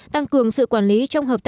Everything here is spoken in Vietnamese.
tăng cường sự quản lý trong hợp tác xã